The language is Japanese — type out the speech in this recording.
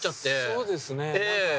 そうですね。